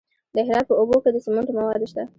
د هرات په اوبې کې د سمنټو مواد شته.